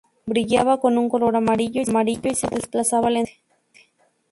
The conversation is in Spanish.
Brillaba con un color amarillo y se desplazaba lentamente.